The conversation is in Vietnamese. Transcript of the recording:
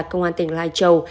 công an tỉnh lai châu